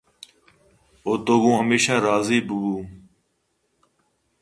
ءُ تو گوٛمیشاں راضی بُہ بُو